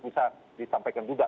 bisa disampaikan juga